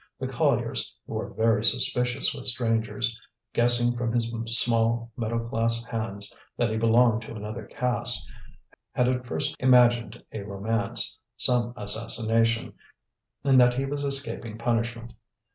The colliers, who are very suspicious with strangers, guessing from his small middle class hands that he belonged to another caste, had at first imagined a romance, some assassination, and that he was escaping punishment.